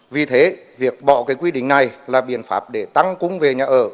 vì thế việc bỏ cái quy định này là biện pháp để tăng cung về nhà ở